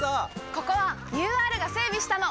ここはＵＲが整備したの！